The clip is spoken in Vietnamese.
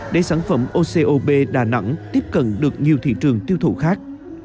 để sản phẩm ocob đà nẵng tiếp cận được nhiều thị trường tiêu thụ khác